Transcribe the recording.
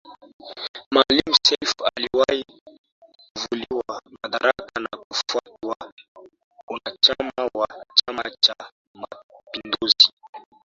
Maalim Seif Aliwai kuvuliwa madaraka na kufutwa uanachama wa chama cha Mapinduzi